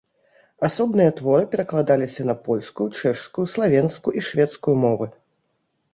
Асобныя творы перакладаліся на польскую, чэшскую, славенскую і шведскую мовы.